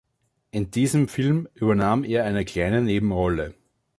In diesem Film übernahm er eine kleine Nebenrolle.